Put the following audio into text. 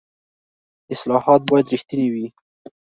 اصلاحات باید رښتیني وي